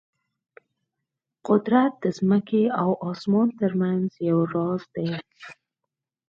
قدرت د ځمکې او اسمان ترمنځ یو راز دی.